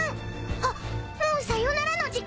あっもうさよならの時間でやんす。